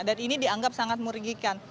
dan ini dianggap sangat murgikan